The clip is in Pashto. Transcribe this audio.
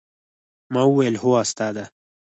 ما وويل هو استاده.